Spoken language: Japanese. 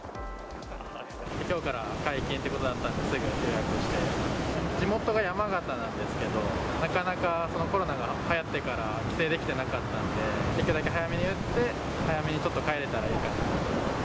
きょうから解禁ってことだったんですぐ予約して、地元が山形なんですけど、なかなかコロナがはやってから帰省できてなかったんで、できるだけ早めに打って、早めにちょっと帰れたらいいかなと。